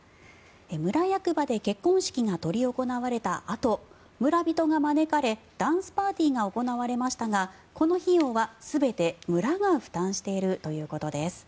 村役場で結婚式が執り行われたあと村人が招かれダンスパーティーが行われましたがこの費用は全て村が負担しているということです。